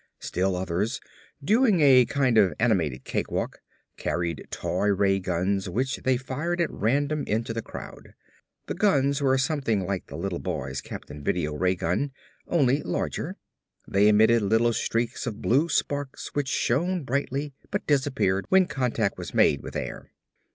Still others, doing a kind of animated cakewalk, carried toy ray guns which they fired at random into the crowd. The guns were something like the little boy's Captain Video ray gun, only larger. They emitted little streaks of blue sparks which shone brightly but disappeared when contact was made with air.